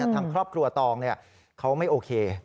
ทั้งครอบครัวตองเนี่ยเขาไม่โอเค